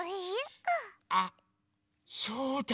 あそうだ！